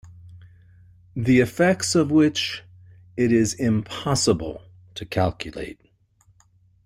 The effects of which it is impossible to calculate.